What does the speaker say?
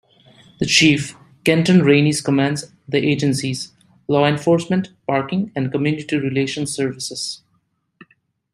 The chief, Kenton Rainey commands the agency's: law enforcement, parking, and community relations services.